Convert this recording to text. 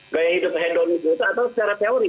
gaya hidup hendologi itu atau secara teori